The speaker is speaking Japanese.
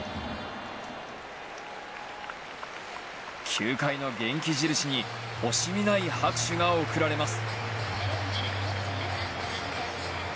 球界の元気印に惜しみない拍手が送られます。